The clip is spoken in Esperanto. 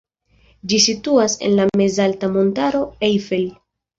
Ĝi situas en la mezalta montaro Eifel.